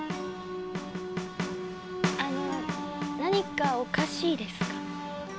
あのう何かおかしいですか？